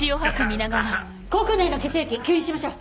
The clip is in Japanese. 口腔内の血液吸引しましょう。